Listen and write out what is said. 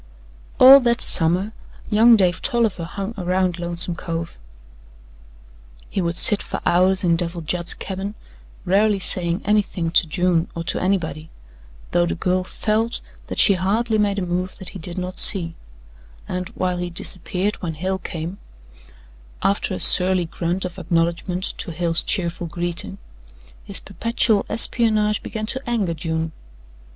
All that summer young Dave Tolliver hung around Lonesome Cove. He would sit for hours in Devil Judd's cabin, rarely saying anything to June or to anybody, though the girl felt that she hardly made a move that he did not see, and while he disappeared when Hale came, after a surly grunt of acknowledgment to Hale's cheerful greeting, his perpetual espionage began to anger June.